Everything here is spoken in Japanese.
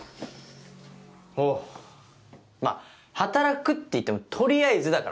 おおまぁ働くっていっても取りあえずだから。